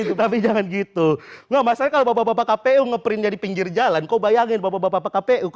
itu tapi jangan gitu enggak masalah kalau bapak bapak kpu ngeprint jadi pinggir jalan kok bayangin bapak bapak kpu